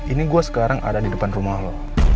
ini gue sekarang ada di depan rumah lo